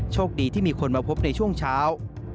โชคดีที่มีคนมาพบในช่วงเช้า